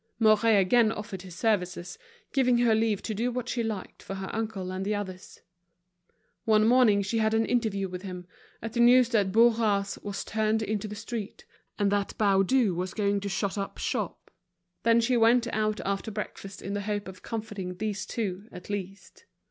Mouret again offered his services, giving her leave to do what she liked for her uncle and the others. One morning she had an interview with him, at the news that Bourras was turned into the street, and that Baudu was going to shut up shop. Then she went out after breakfast in the hope of comforting these two, at least.